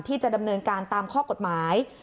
ที่จะดำเนินการตามข้อกฎหมาย